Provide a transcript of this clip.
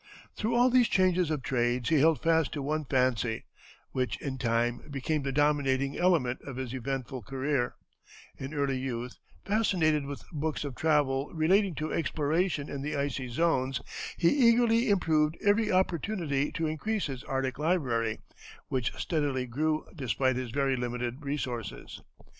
Through all these changes of trades he held fast to one fancy, which in time became the dominating element of his eventful career: in early youth, fascinated with books of travel relating to exploration in the icy zones, he eagerly improved every opportunity to increase his Arctic library, which steadily grew despite his very limited resources.